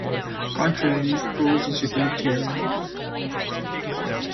Contrarily, prose is utilitarian.